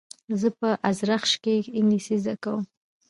زه په ازرخش کښي انګلېسي زده کوم.